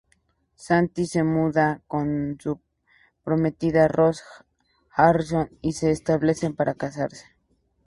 Santi se muda con su prometida Roz Harrison y se establecen para casarse.